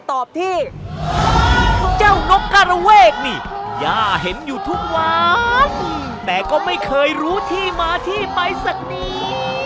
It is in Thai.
แต่ก็ไม่เคยรู้ที่มาที่ไปสักนี้